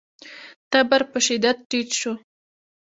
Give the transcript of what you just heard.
تبر په شدت ټيټ شو.